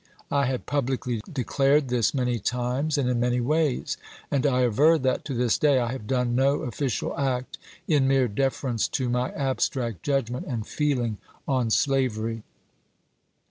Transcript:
I had publicly declared this many times, and in many ways. And I aver that, to this day, I have done no official act in mere deference to my abstract judgment and feeling on THE EDICT OF FREEDOM 431 slavery.